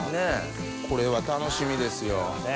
これは楽しみですよ。ねぇ！